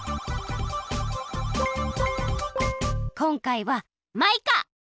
こんかいはマイカ！